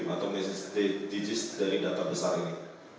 atau digis dari data besar ini